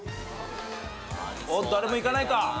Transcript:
おっ誰もいかないか？